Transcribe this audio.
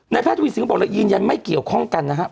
แพทย์ทวีสินบอกเลยยืนยันไม่เกี่ยวข้องกันนะครับ